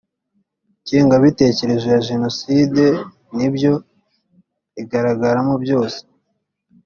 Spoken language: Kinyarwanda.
ingengabitekerezo ya jenoside n ibyo igaragaramo byose